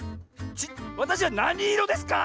わたしはなにいろですか？